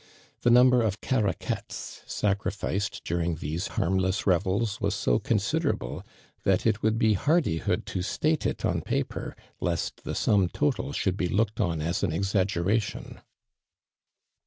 Tlio number of Caraquettes suorificod dining these luirmU'88 revels was ho considerable, tliat it woul'l bo hardihoo<l to state it on paper, lost the sum total should bo looked on iiH an exagg«mtion.